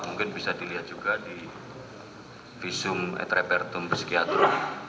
mungkin bisa dilihat juga di visum et repertum psikiatrum